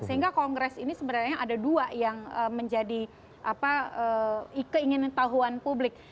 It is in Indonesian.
sehingga kongres ini sebenarnya ada dua yang menjadi keingin tahuan publik